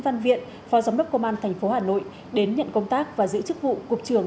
văn viện phó giám đốc công an tp hà nội đến nhận công tác và giữ chức vụ cục trưởng